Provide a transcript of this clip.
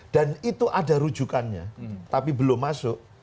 dan itu ada rujukannya tapi belum masuk